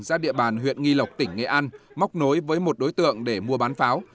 ra địa bàn huyện nghi lộc tỉnh nghệ an móc nối với một đối tượng để mua bán pháo